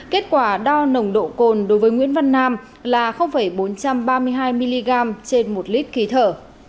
kết quả đo nồng độ cồn đối với nguyễn văn nam là bốn trăm ba mươi hai mg trên một lít khí thở